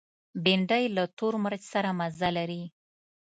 بېنډۍ له تور مرچ سره مزه لري